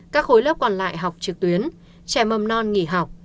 các khối lớp còn lại học trực tuyến trẻ mầm non nghỉ học